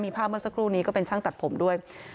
ภาพเมื่อสักครู่นี้ก็เป็นช่างตัดผมด้วย